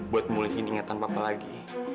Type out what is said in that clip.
buat memulihkan ingatan papa lagi